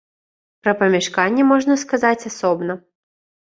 Пра памяшканне можна сказаць асобна.